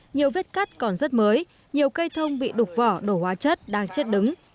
nhiều vết cắt còn rất mới nhiều cây thông bị đục vỏ đổ hóa chất đang chết đứng